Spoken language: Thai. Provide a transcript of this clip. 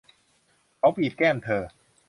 เขาบีบแก้มเธอ